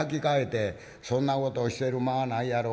「そんなことをしてる間はないやろ？